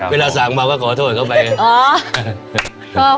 เวลาสั่งมาก็ขอโทษเขาไปไง